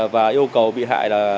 và yêu cầu bị hại là